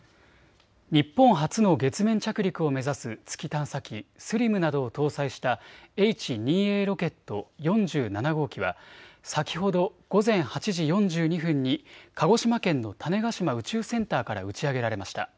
日本初の月面着陸を目指す月探査機ＳＬＩＭなどを搭載したＨ２Ａロケット４７号機は先ほど午前８時４２分に鹿児島県の種子島宇宙センターから打ち上げられました。